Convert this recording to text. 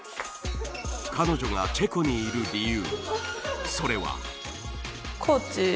彼女がチェコにいる理由